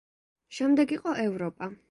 შემდეგ იყო ევროპა.